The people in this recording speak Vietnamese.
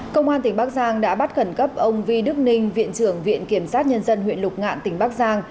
công an tỉnh bắc giang đã bắt khẩn cấp ông vi đức ninh viện trưởng viện kiểm sát nhân dân huyện lục ngạn tỉnh bắc giang